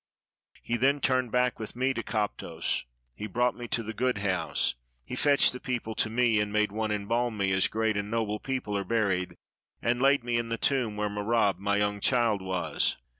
Then he turned back with me to Koptos, he brought me to the Good House, he fetched the people to me, and made one embalm me, as great and noble people are buried, and laid me in the tomb where Merab my young child was.